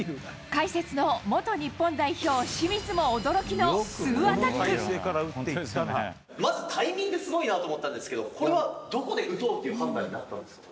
解説の元日本代表、まず、タイミングすごいなと思ったんですけど、これはどこで打とうっていう判断だったんですか？